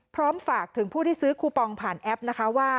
พร้อมฝากถึงผู้ที่ซื้อคูปองผ่านแอปนะคะว่า